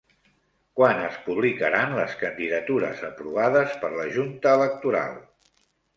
Quan es publicaran les candidatures aprovades per la Junta Electoral?